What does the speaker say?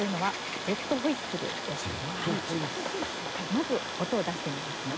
まず音を出してみますね。